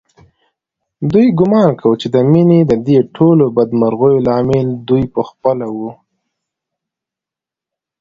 دوی ګومان کاوه چې د مينې ددې ټولو بدمرغیو لامل دوی په خپله و